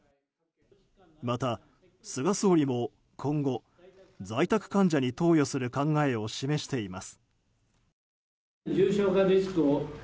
また菅総理も今後在宅患者に投与する考えを示しています。